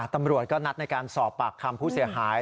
ตำรวจก็นัดในการสอบปากคำผู้เสียหาย